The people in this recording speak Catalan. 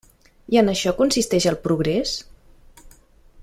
I en això consisteix el progrés?